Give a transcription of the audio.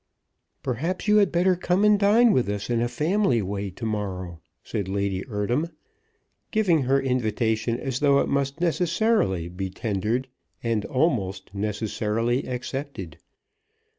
"Perhaps you had better come and dine with us in a family way to morrow," said Lady Eardham, giving her invitation as though it must necessarily be tendered, and almost necessarily accepted.